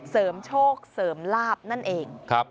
เสริมโชคเสริมลาบนั่นเอง